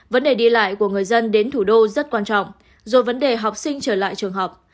vấn đề đi lại của người dân đến thủ đô rất quan trọng rồi vấn đề học sinh trở lại trường học